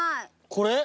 これ？